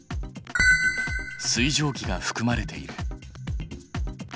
水蒸気がふくまれている。